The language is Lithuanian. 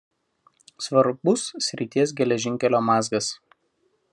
Svarbus srities geležinkelio mazgas.